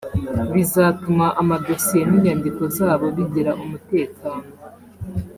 bizatuma amadosiye n’ inyandiko zabo bigira umutekano